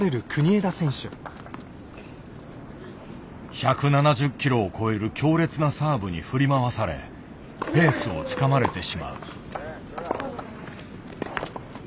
１７０キロを超える強烈なサーブに振り回されペースをつかまれてしまう。